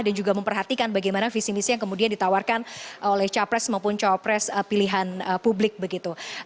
jadi kita sudah memperhatikan bagaimana visi visi yang kemudian ditawarkan oleh capres maupun copres pilihan publik begitu